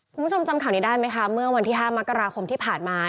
คุณผู้ชมจำข่าวนี้ได้ไหมคะเมื่อวันที่๕มกราคมที่ผ่านมา